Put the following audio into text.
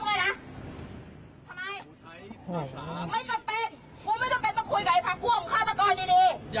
มันเป็นผู้ความผู้ควัญ